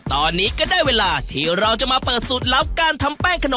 ตอนนี้ก็ได้เวลาที่เราจะมาเปิดสูตรลับการทำแป้งขนม